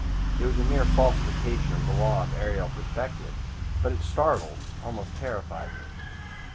It was a mere falsification of the law of aerial perspective, but it startled, almost terrified me.